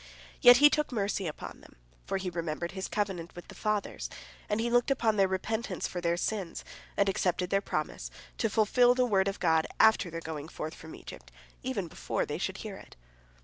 Yet He took mercy upon them, for He remembered His covenant with the Fathers, and He looked upon their repentance for their sins, and accepted their promise, to fulfil the word of God after their going forth from Egypt even before they should hear it.